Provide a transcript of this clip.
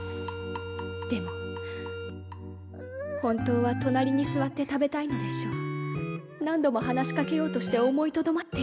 でも本当は隣に座って食べたいのでしょう。